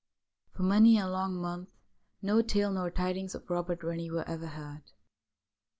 For many a long month no tale nor tidings of Robert Rennie were ever heard.